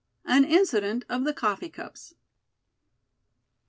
AN INCIDENT OF THE COFFEE CUPS.